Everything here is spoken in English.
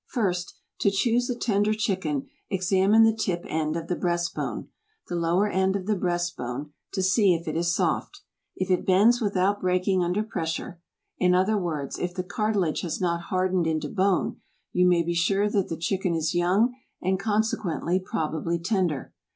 First, to choose a tender chicken, examine the tip end of the breastbone the lower end of the breast bone, to see if it is soft; if it bends without breaking under pressure; in other words, if the cartilage has not hardened into bone, you may be sure that the chicken is young, and consequently probably tender.